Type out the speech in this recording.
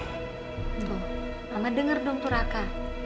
tuh mama denger dong tuh raka